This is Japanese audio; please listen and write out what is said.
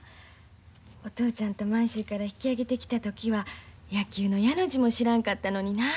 お父ちゃんと満州から引き揚げてきた時は野球のやの字も知らんかったのになあ。